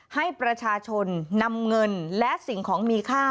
ให้ประชาชนนำเงินและสิ่งของมีค่า